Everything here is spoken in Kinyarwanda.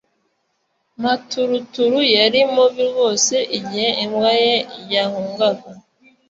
Maturuturu yari mubi rwose igihe imbwa ye yahungaga